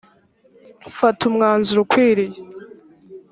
mfata umwanzuro ukwiye